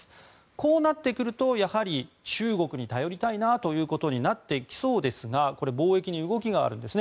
こうなってくると中国に頼りたいなということになってきそうですがこれ貿易に動きがあるんですね。